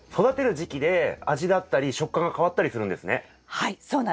はいそうなんです。